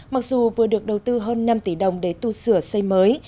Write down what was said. mặc dù vừa được đầu tư hơn năm tỷ đồng để tu sửa xây mới